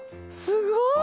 すごい！